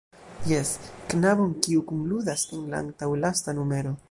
Jes, knabon, kiu kunludas en la antaŭlasta numero.